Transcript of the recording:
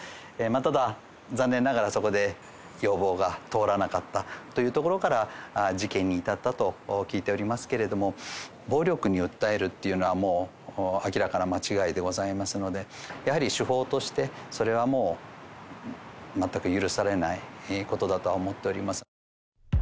ただ、残念ながらそこで要望が通らなかったというところから事件に至ったと聞いておりますけれども、暴力に訴えるというのは、もう明らかな間違いでございますので、やはり手法として、それはもう全く許されないことだとは思っております。